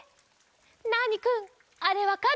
ナーニくんあれわかる？